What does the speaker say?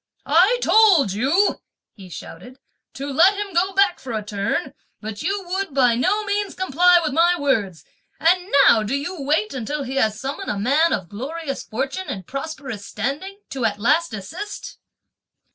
"I told you," he shouted, "to let him go back for a turn; but you would by no means comply with my words! and now do you wait until he has summoned a man of glorious fortune and prosperous standing to at last desist?"